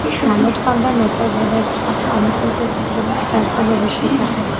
გამოთქვამდა მოსაზრებას სხვა პლანეტებზე სიცოცხლის არსებობის შესახებ.